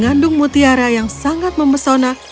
tiram itu mengandung mutiara yang sangat memesona